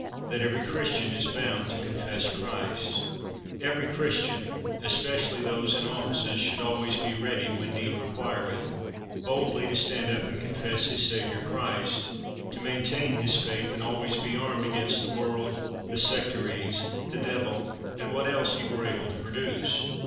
That every Christian is Bound to Confess Christ. Every Christian, especially those in offices, should always be ready (when need requireth) boldly to stand up and confess his Saviour Christ, to maintain his faith and always be armed against the world, the sectaries, the devil, and what else he were able to produce.